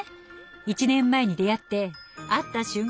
１年前に出会って会った瞬間